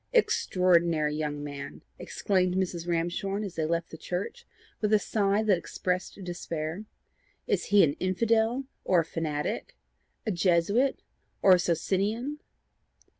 "Extraordinary young man!" exclaimed Mrs. Ramshorn as they left the church, with a sigh that expressed despair. "Is he an infidel or a fanatic? a Jesuit or a Socinian?"